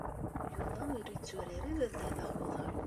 Yuba ur yetturar ara ddabex n uḍar.